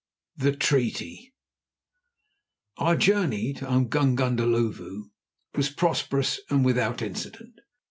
THE TREATY Our journey to Umgungundhlovu was prosperous and without incident.